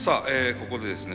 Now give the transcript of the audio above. ここでですね